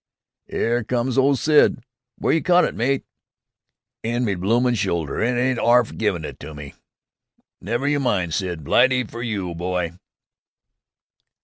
"'Ere comes old Sid! W'ere you caught it, mate?" "In me bloomin' shoulder. It ain't 'arf givin' it to me!" "Never you mind, Sid! Blightey fer you, boy!"